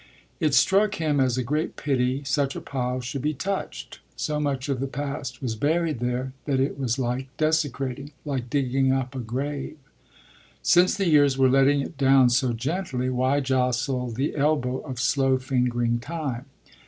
It struck him as a great pity such a pile should be touched: so much of the past was buried there that it was like desecrating, like digging up a grave. Since the years were letting it down so gently why jostle the elbow of slow fingering time?